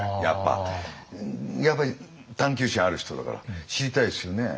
やっぱり探求心ある人だから知りたいですよね。